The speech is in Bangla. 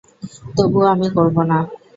তবুও আমি করব না।